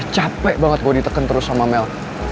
capek banget gue ditekan terus sama mel